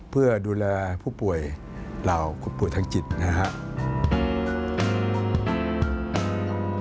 เพื่อดูแลผู้ป่วยเราคุณผู้ทางจิตนะครับ